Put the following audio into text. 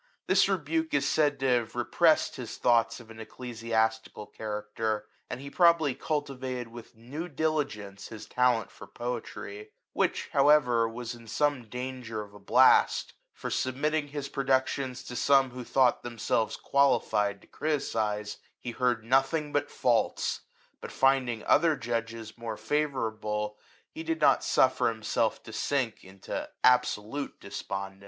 This rebuke is said to have repressed hi» thoughts of an ecclesiastical character, and he probably cultivated with new diligence hid talent for poetry, which, however, was in some danger of a blast; for submitting his productions to some who thought themselves^ qualified to criticise, he heard of nothing but faults; but finding other judges more favourable, he did not suffer himself to sink into absolute despondence.